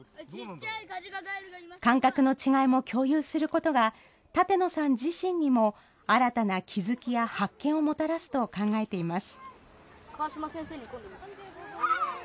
感覚の違いも共有することが、舘野さん自身にも新たな気付きや発見をもたらすと考えています。